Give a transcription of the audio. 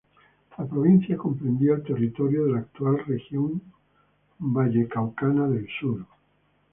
La provincia comprendía el territorio de la actual región vallecaucana del Sur.